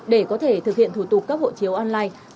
để có thể thực hiện thủ tục cấp hộ chiếu online